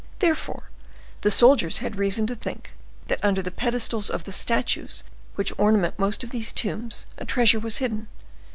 Therefore, the soldiers had reason to think that under the pedestals of the statues which ornament most of these tombs, a treasure was hidden.